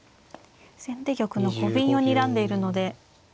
先手玉のコビンをにらんでいるので。